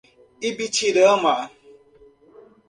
Ibitirama